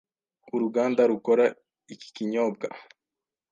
Uruganda rukora iki kinyobwa